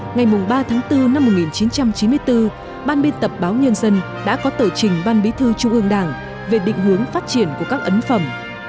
ngày ba bốn một nghìn chín trăm chín mươi bốn ban biên tập báo nhân dân đã có tờ trình ban bí thư trung ương đảng về định hướng phát triển của các ấn phẩm